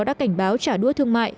đã cảnh báo trả đua thương mại